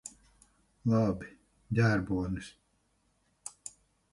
Labi. Ģērbonis.